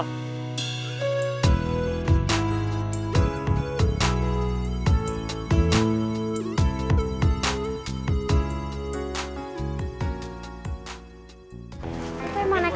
ketemu lagi di video selanjutnya